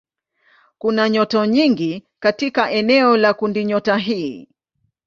Kuna nyota nyingi katika eneo la kundinyota hii.